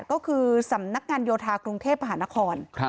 ก็คือสำนักงานโยธากรุงเทพมหานคร